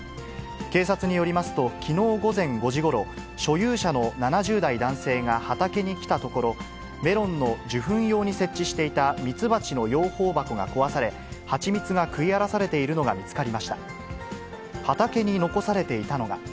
警察によりますと、きのう午前５時ごろ、所有者の７０代男性が畑に来たところ、メロンの受粉用に設置していた蜜蜂の養蜂箱が壊され、蜂蜜が食い荒らされているのが見つかりました。